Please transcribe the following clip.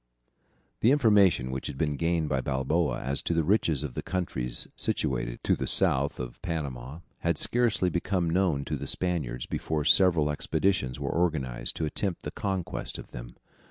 The information which had been gained by Balboa as to the riches of the countries situated to the south of Panama had scarcely become known to the Spaniards before several expeditions were organized to attempt the conquest of them.